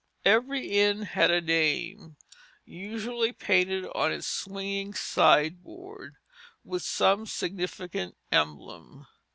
Every inn had a name, usually painted on its swinging sign board, with some significant emblem.